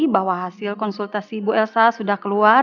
bahwa hasil konsultasi ibu elsa sudah keluar